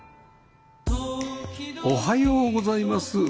おはようございます。